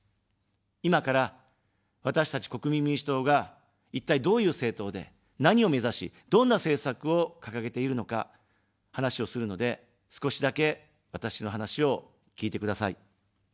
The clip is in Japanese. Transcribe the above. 今から、私たち国民民主党が、一体、どういう政党で、何を目指し、どんな政策を掲げているのか話をするので、少しだけ、私の話を聞いてください。